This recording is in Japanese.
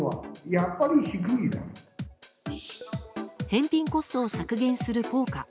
返品コストを削減する効果。